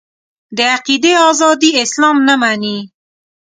د عقیدې ازادي اسلام نه مني.